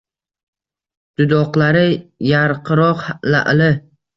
Dudoqlari yarqiroq la’li